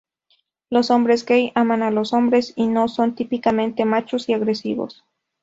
Los hombres gay aman a los hombres y no son típicamente machos y agresivos.